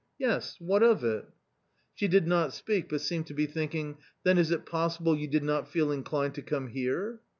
" Yes, what of it ?" She did not speak, but seemed to be thinking ;" then is it possible you did not feel inclined to come here